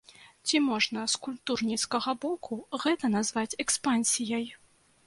Ці можна з культурніцкага боку гэта назваць экспансіяй?